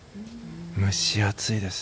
蒸し暑いです。